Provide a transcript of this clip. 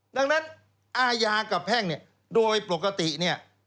ดังนั้นอาญากับแพ่งเนี่ยโดยปกติเนี่ย